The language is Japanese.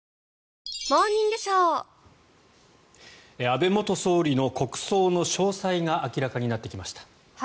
安倍元総理の国葬の詳細が明らかになってきました。